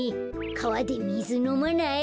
かわでみずのまない？